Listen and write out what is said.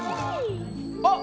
あっ！